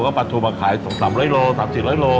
เค้าปาทูลมาขายสามสี่ร้อยโล